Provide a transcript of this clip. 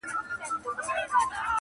چي سېلونه د مرغیو چینارونو ته ستنیږي-